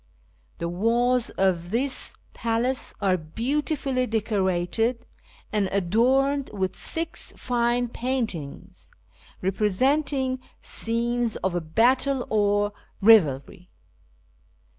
The walls of this palace are beautifully decorated, and adorned with six fine paint ings representing scenes of battle or revelry.